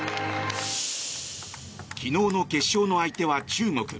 昨日の決勝の相手は中国。